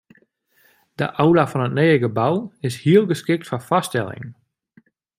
De aula fan it nije gebou is hiel geskikt foar foarstellingen.